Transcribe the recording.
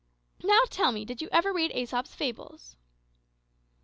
Now, tell me, did you ever read `Aesop's Fables?'"